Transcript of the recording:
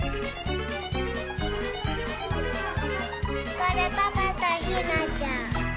これパパとひなちゃん。